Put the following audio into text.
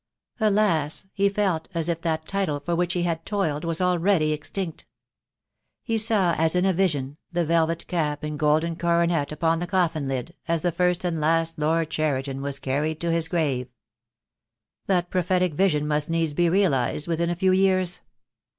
Alas, he felt as if that title for which he had toiled was already extinct. He saw, as in a vision, the velvet cap and golden coronet upon the coffin lid, as the first and last Lord Cheriton was carried to his grave. That prophetic vision must needs be realized within a few years.